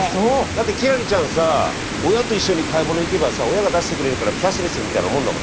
だって輝星ちゃんさ親と一緒に買い物行けばさ親が出してくれるからキャッシュレスみたいなもんだもんね。